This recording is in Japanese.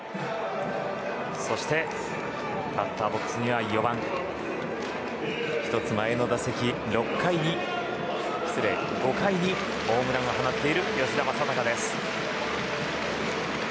そしてバッターボックスには４番、１つ前の打席５回にホームランを放っている吉田正尚。